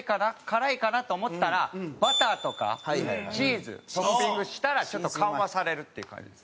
辛いかなと思ったらバターとかチーズトッピングしたらちょっと緩和されるっていう感じですね。